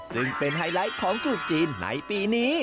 ซึ่งเป็นไฮไลท์ของตรุษจีนในปีนี้